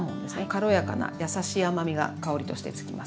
軽やかな優しい甘みが香りとしてつきます。